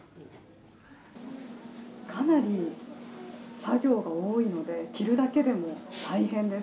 かなり作業が多いのできるだけでも大変です。